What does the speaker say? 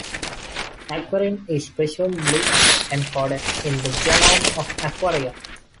Aequorin is presumably encoded in the genome of Aequorea.